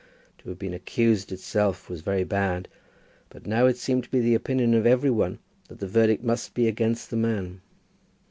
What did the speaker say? To have been accused itself was very bad; but now it seemed to be the opinion of every one that the verdict must be against the man.